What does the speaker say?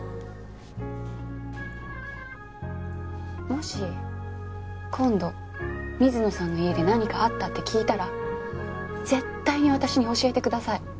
もし今度水野さんの家で何かあったって聞いたら絶対に私に教えてください。